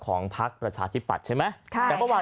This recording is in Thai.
ของภาคประชาทิบัติใช่ไหม